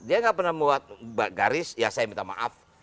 dia nggak pernah membuat garis ya saya minta maaf